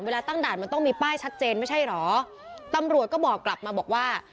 ตั้งด่านมันต้องมีป้ายชัดเจนไม่ใช่เหรอตำรวจก็บอกกลับมาบอกว่า